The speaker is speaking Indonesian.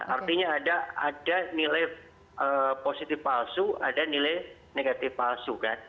artinya ada nilai positif palsu ada nilai negatif palsu kan